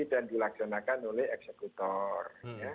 dan dilaksanakan oleh eksekutor